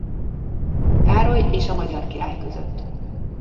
Károly és a magyar király között.